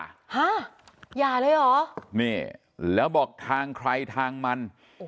ฮะอย่าเลยเหรอนี่แล้วบอกทางใครทางมัน